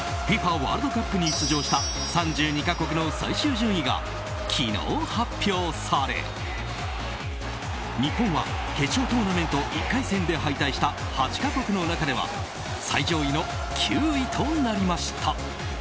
ワールドカップに出場した３２か国の最終順位が昨日発表され日本は決勝トーナメント１回戦で敗退した８か国の中では最上位の９位となりました。